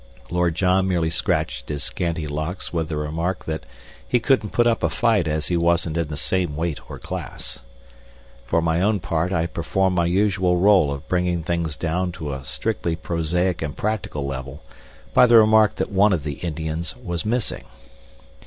Lord John merely scratched his scanty locks with the remark that he couldn't put up a fight as he wasn't in the same weight or class. For my own part I performed my usual role of bringing things down to a strictly prosaic and practical level by the remark that one of the Indians was missing.